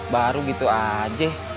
baru gitu aja